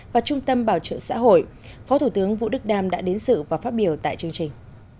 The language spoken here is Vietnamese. và trung tâm bảo trợ xã hội phó thủ tướng vũ đức đam đã đến sự và phát biểu tại chương trình